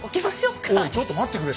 おいちょっと待ってくれ。